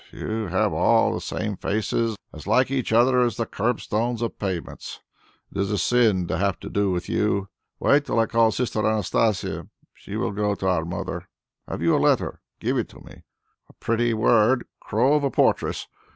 You have all the same faces, as like each other as the curbstones of pavements. It is a sin to have to do with you. Wait till I call Sister Anastasia; she will go to our Mother. Have you a letter? Give it me. A pretty word 'crow of a portress.'